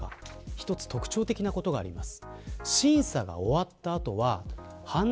一つ特徴的なことがあります。